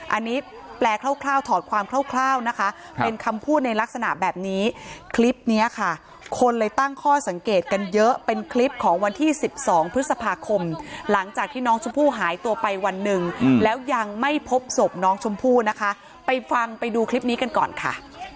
อันนี้แปลคร่าวถอดความคร่าวนะคะเป็นคำพูดในลักษณะแบบนี้คลิปนี้ค่ะคนเลยตั้งข้อสังเกตกันเยอะเป็นคลิปของวันที่๑๒พฤษภาคมหลังจากที่น้องชมพู่หายตัวไปวันหนึ่งแล้วยังไม่พบศพน้องชมพู่นะคะไปฟังไปดูคลิปนี้กันก่อนค่ะ